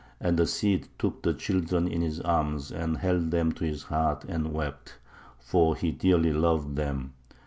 And the Cid took the children in his arms, and held them to his heart and wept, for he dearly loved them.